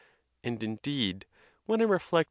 And, indeed, when I reflect.